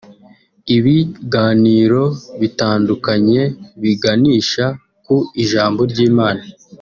Ibiganiro bitandukanye biganisha ku ijambo ry’Imana